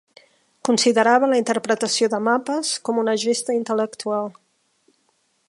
Considerava la interpretació de mapes com una gesta intel·lectual